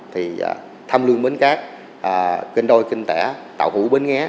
thì thăm lưu bến cát kênh đôi kênh tẻ tạo hữu bến ngé